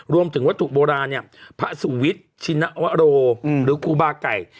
รวมถึงวัตถุโบราณเนี่ยพระสุวิทย์ชินวโรหรือครูบาไก่